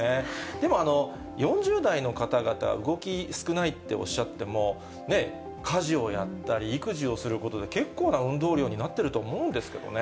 でも、４０代の方々、動き、少ないっておっしゃっても、家事をやったり、育児をすることで、結構な運動量になってると思うんですけどね。